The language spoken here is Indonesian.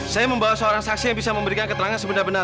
saya membawa seorang saksi yang bisa memberikan keterangan sebenarnya